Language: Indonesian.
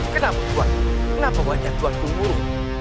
kenapa tuan kenapa wajahku agak buruk